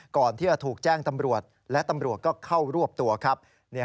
ก่อนที่จะถูกแจ้งตำรวจและตำรวจก็เข้ารวบตัวครับ